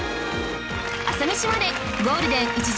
『朝メシまで。』ゴールデン１時間